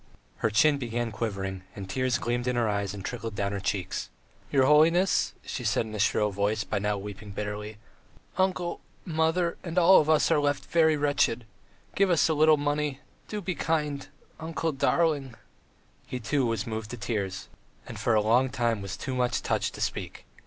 Her chin began quivering, and tears gleamed in her eyes and trickled down her cheeks. "Your holiness," she said in a shrill voice, by now weeping bitterly, "uncle, mother and all of us are left very wretched. ... Give us a little money ... do be kind ... uncle darling. ..." He, too, was moved to tears, and for a long time was too much touched to speak.